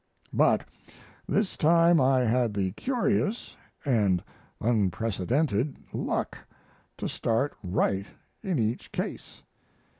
But this time I had the curious (& unprecedented) luck to start right in each case.